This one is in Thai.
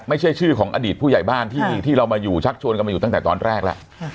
ไม่ใช่ชื่อของอดีตผู้ใหญ่บ้านที่เรามาอยู่ชักชวนกันมาอยู่ตั้งแต่ตอนแรกแล้ว